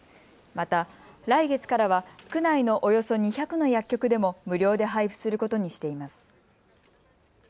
また、来月からは区内のおよそ２００の薬局でも無料で配布することにしています。